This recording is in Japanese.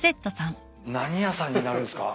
何屋さんになるんすか？